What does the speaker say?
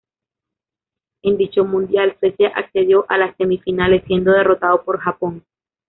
En dicho mundial Suecia accedió a las semifinales, siendo derrotado por Japón.